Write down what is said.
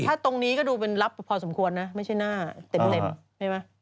ถ้าตรงนี้ก็ดูเป็นลับพอสมควรนะไม่ใช่หน้าเต็มใช่ไหม